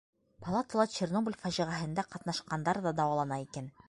Палатала Чернобыль фажиғәһендә ҡатнашҡандар ҙа дауалана икән.